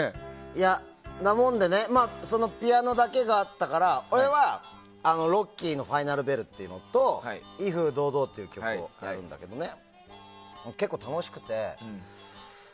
いや、ピアノだけがあったから俺は、ロッキーの「ファイナルベル」と「威風堂々」っていう曲をやるんだけどね結構楽しくて。